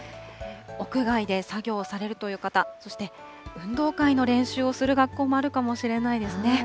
屋外で作業されるという方、そして運動会の練習をする学校もあるかもしれないですね。